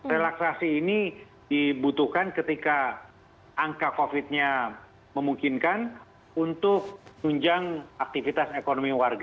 relaksasi ini dibutuhkan ketika angka covid nya memungkinkan untuk tunjang aktivitas ekonomi warga